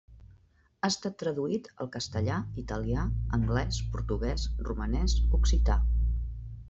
Ha estat traduït al castellà, italià, anglès, portuguès, romanès, occità.